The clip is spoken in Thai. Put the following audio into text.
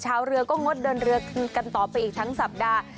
ชาวเรือก็งดเดินเรือกันต่อไปอีกทั้งสัปดาห์